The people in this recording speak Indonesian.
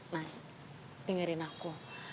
mas dengerin aku